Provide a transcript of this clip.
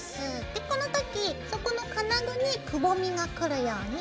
でこの時そこの金具にくぼみがくるように。